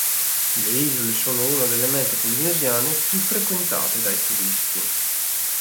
Le isole sono una delle mete polinesiane più frequentate dai turisti.